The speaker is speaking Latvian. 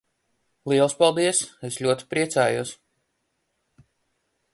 Liels paldies! Es ļoti priecājos!